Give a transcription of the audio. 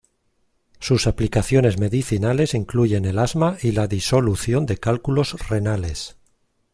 Sus aplicaciones medicinales incluyen el asma y la disolución de cálculos renales.